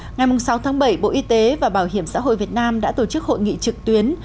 ngày sáu tháng bảy bộ y tế và bảo hiểm xã hội việt nam đã tổ chức hội nghị trực tuyến